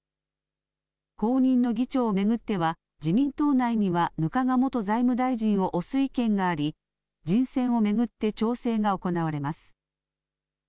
後任の議長を巡っては自民党内には額賀元財務大臣を推す意見があり人選を巡って調整が行われます。